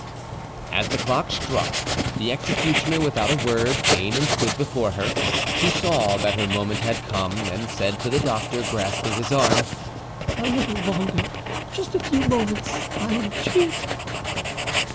As the clock struck, the executioner without a word came and stood before her; she saw that her moment had come, and said to the doctor, grasping his arm, "A little longer; just a few moments, I entreat."